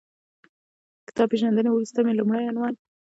کتاب پېژندنې وروسته مې لومړی عنوان